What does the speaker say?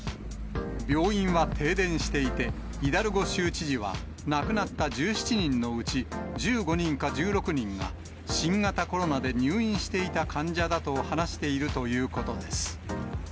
病院は停電していて、イダルゴ州知事は亡くなった１７人のうち１５人か１６人が、新型コロナで入院していた患者だと話しているということです。